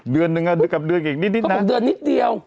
เดือนนึงกับเดือนอีกนิดนะเพราะผมเดือนนิดเดียว